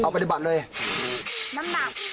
น้ำหนักรถปลาย๑๐๐กิโลกรัม